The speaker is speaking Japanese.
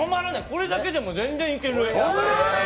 これだけでも全然いける。